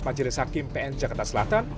majelis hakim pn jakarta selatan